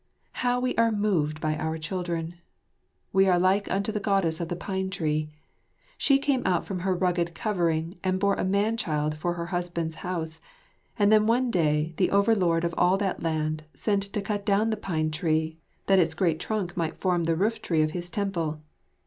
How we are moved by our children! We are like unto the Goddess of the Pine tree. She came out from her rugged covering and bore a man child for her husband's house, and then one day the overlord of all that land sent to cut down the pine tree, that its great trunk might form the rooftree of his temple.